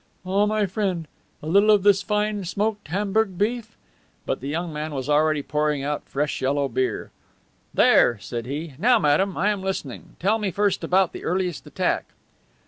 "Ah, my friend, a little of this fine smoked Hamburg beef?" But the young man was already pouring out fresh yellow beer. "There," said he. "Now, madame, I am listening. Tell me first about the earliest attack."